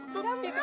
tuh itu tisunya